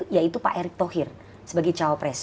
yaitu pak erick thohir sebagai cawapres